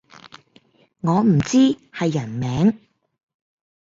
我唔知係人名